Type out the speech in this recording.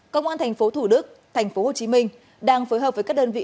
công an thành phố thủ đức thành phố hồ chí minh đang phối hợp với các đơn vị